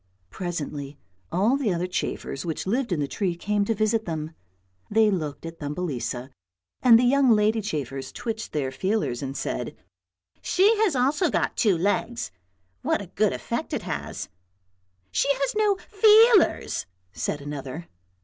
Presently all the other chafers which lived in the tree came to visit them; they looked at Thumbelisa and the young lady chafers twitched their feelers and said, " she has also got two legs, what a good effect it has." " She has no feelers," said another.